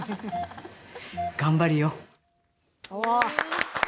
頑張るよ！